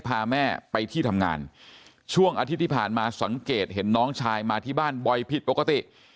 พาแม่ไปที่ทำงานช่วงอาทิตย์ที่ผ่านมาสังเกตเห็นน้องชายมาที่บ้านบ่อยผิดปกติ